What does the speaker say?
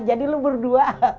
oh jadi lo berdua